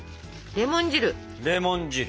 レモン汁。